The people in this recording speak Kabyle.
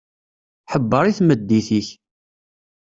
Ḥebber i tmeddit-ik.